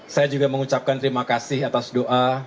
saya juga mengucapkan terima kasih atas doa